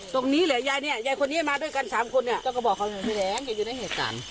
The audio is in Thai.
ตรงนี้แหละยายเนี้ยยายคนนี้มาด้วยกัน๓คนเนี้ย